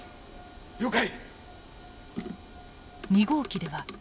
了解！